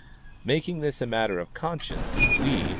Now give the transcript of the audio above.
Making this a matter of conscience, we.